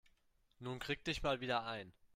Nun krieg dich mal wieder ein.